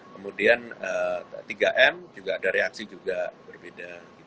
kemudian tiga m juga ada reaksi juga berbeda